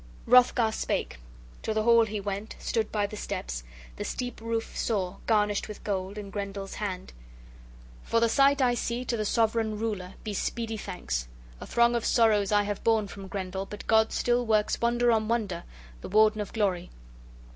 XIV HROTHGAR spake, to the hall he went, stood by the steps, the steep roof saw, garnished with gold, and Grendel's hand: "For the sight I see to the Sovran Ruler be speedy thanks! A throng of sorrows I have borne from Grendel; but God still works wonder on wonder, the Warden of Glory.